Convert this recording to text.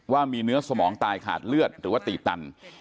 ว่ามีเนื้อสมองตายขาดเลือดหรือว่าตีตัน